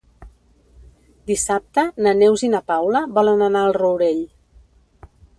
Dissabte na Neus i na Paula volen anar al Rourell.